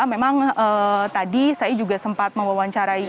memang tadi saya juga sempat mewawancarai